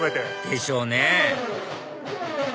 でしょうね